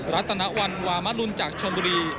รัตนวัลวามรุนจากชนบุรี